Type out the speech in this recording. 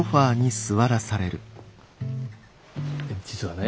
実はね